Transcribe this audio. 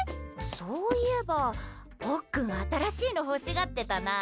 そういえば、ポッ君新しいの欲しがってたな。